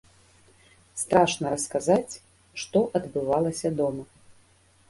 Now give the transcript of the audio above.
Страшна расказаць, што адбывалася дома.